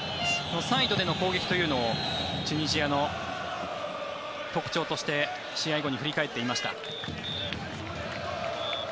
サイドでの攻撃というのをチュニジアの特徴として試合後に振り返っていました。